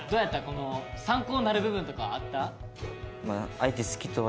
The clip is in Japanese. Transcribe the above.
この参考になる部分とかあった？